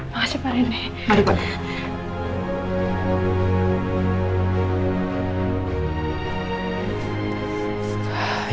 makasih pak reni